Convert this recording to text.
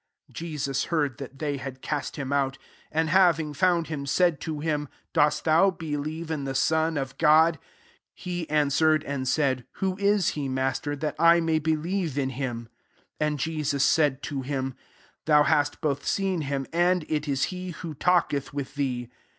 34 Jesus heard that they had cast him out : and having found him, said to him, " Dost thou believe in the Sonof God ?" 36 He answered and said, " Who is he. Master, that I may be lieve in him ?'^ 37 [^n(/] Jesus said to him, " Thou hast both seen him, and it is he who talk eth with thee."